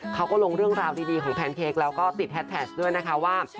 เขาก็ลงเรื่องราวดีของแพนเค้กแล้วก็ติดแฮดแท็กด้วยนะคะว่า